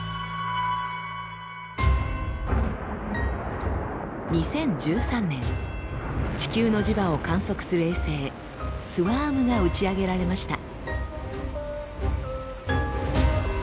これは２０１３年地球の磁場を観測する衛星ＳＷＡＲＭが打ち上げられました。